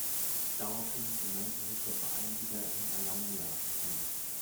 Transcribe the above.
Daraufhin benannte sich der Verein wieder in Alanija um.